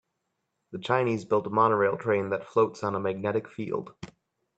The Chinese built a monorail train that floats on a magnetic field.